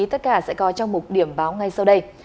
tất cả sẽ có trong một điểm báo ngay sau đây